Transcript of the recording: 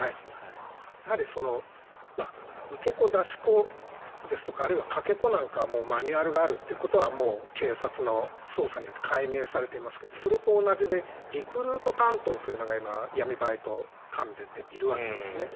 やはり受け子、出し子ですとかあるいは、かけ子なんかはマニュアルがあるということがもう警察の捜査によって解明されていますがそれと同じでリクルート担当というのが今、闇バイト関連でいるわけですね。